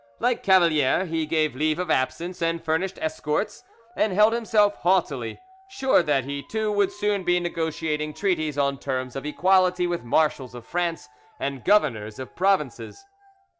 Like Cavalier, he gave leave of absence and furnished escorts, and held himself haughtily, sure that he too would soon be negotiating treaties on terms of equality with marshals of France and governors of provinces.